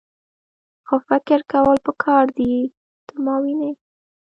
خو فکر کول پکار دي . ته ماوینې؟